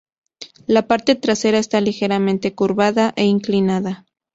La parte trasera está ligeramente curvada e inclinada.